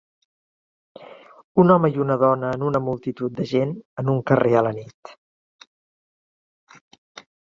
Un home i una dona en una multitud de gent en un carrer a la nit.